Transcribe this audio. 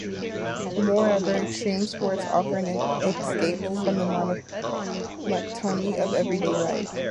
Moreover, extreme sports offer an escape from the monotony of everyday life.